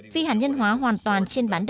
phi hạt nhân hóa hoàn toàn trên bản địa